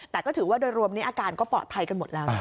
แต่ก็ถือว่าโดยรวมนี้อาการก็ปลอดภัยกันหมดแล้วนะ